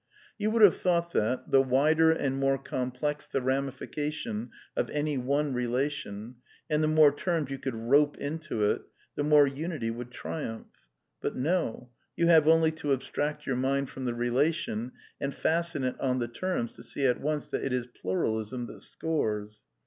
You would have thought that, the wider and more complex the ramification of any one relation, and the more terms you could rope into it, the more unity would triumph. But no, you have only to abstract your mind from the relation and fasten it on the terms to see at once that it is Pluralism that scores.